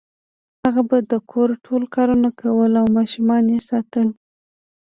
هغه به د کور ټول کارونه کول او ماشومان یې ساتل